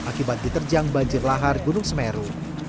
akibat diterjang banjir lahar gunung semeru